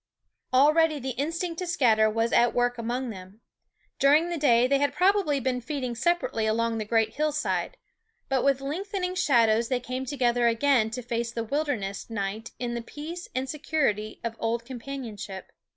Already the instinct to scatter was at work among them. During the day they had THE WOODS 9 probably been feeding separately along the great hillside ; but with lengthening shadows they came together again to face the wilder ness night in the peace and security of the old companionship.